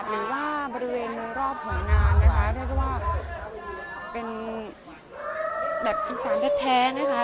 ค่ะบริเวณรอบของงานนะคะเรียกว่าเป็นแบบอีกสารแท้นะคะ